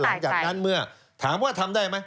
หลังจากนั้นเมื่อถามว่าทำได้ไหม